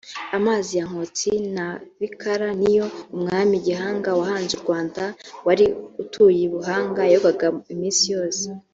Amazi ya Nkotsi na Bikara niyo umwami Gihanga wahanze u Rwanda wari utuye i Buhanga yogaga iminsi yose